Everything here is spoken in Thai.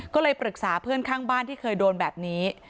ก็เลยปรึกษาเพื่อนข้างบ้านที่เคยโดนแบบนี้